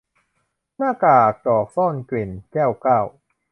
หน้ากากดอกซ่อนกลิ่น - แก้วเก้า